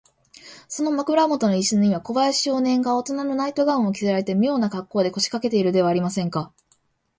その枕もとのイスには、小林少年がおとなのナイト・ガウンを着せられて、みょうなかっこうで、こしかけているではありませんか。